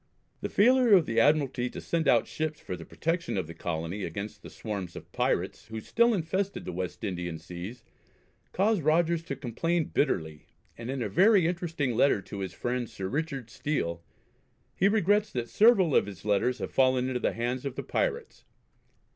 The failure of the Admiralty to send out ships for the protection of the colony against the swarms of pirates who still infested the West Indian seas caused Rogers to complain bitterly, and in a very interesting letter to his friend Sir Richard Steele, he regrets that several of his letters have fallen into the hands of the pirates.